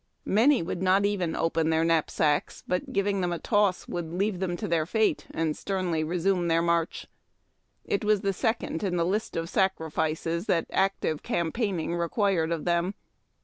Many would not even open their knap sacks, but, giving them a toss, would leave them to fate, and sternly resume tlieir march. It was the second in the list of sacrifices that active campaigning required of them.